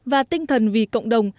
và tinh thần vì cộng đồng